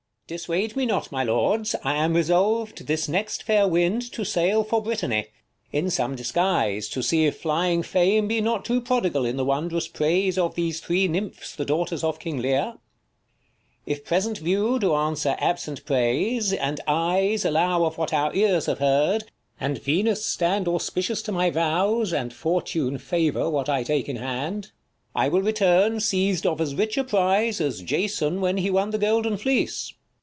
Dissuade me not, my lords, I am resolv'd, This next fair wind to sail for Brittany, In some disguise, to see if flying fame Be not too prodigal in the wondrous praise Of these three nymphs, the daughters of King Leir. 5 Sc. i] HIS THREE DAUGHTERS 15 I If present view do answer absent praise, lAnd eyes allow of what our ears have heard, ;And Venus stand auspicious to my vows, And fortune favour what I take in hand ; I will return seiz'd of as rich a prize 10 As Jason, when he won the golden fleece.